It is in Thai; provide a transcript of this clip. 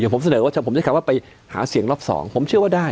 อย่างผมเสนอว่าถ้าผมจะขอว่าไปหาเสียงรอบ๒ผมเชื่อว่าได้